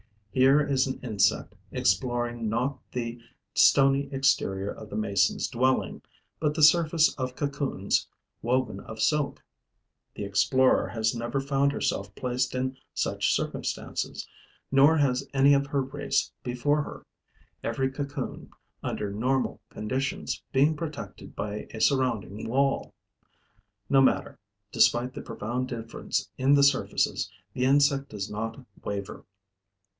Here is an insect exploring not the stony exterior of the mason's dwelling, but the surface of cocoons woven of silk. The explorer has never found herself placed in such circumstances, nor has any of her race before her, every cocoon, under normal conditions, being protected by a surrounding wall. No matter: despite the profound difference in the surfaces, the insect does not waver.